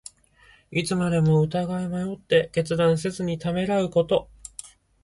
いつまでも疑い迷って、決断せずにためらうこと。